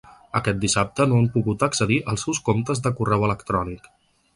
Aquest dissabte no han pogut accedir als seus comptes de correu electrònic.